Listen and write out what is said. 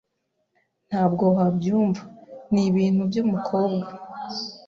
Ntabwo wabyumva. Nibintu byumukobwa.